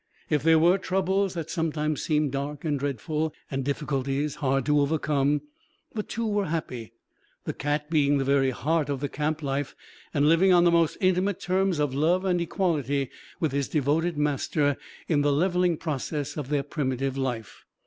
If there were troubles that sometimes seemed dark and dreadful, and difficulties hard to overcome, the two were happy, the cat being the very heart of the camp life and living on the most intimate terms of love and equality with his devoted master in the leveling process of their primitive life.